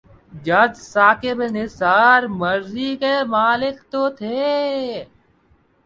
جج ثاقب نثار مرضی کے مالک تو تھے۔